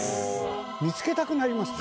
見つけたくなりますね。